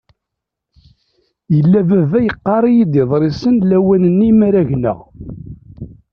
Yella baba yeqqar-iyi-d iḍrisen lawan-nni mara gneɣ.